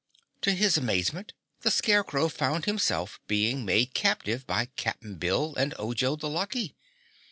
To his amazement, the Scarecrow found himself being made captive by Cap'n Bill and Ojo the Lucky.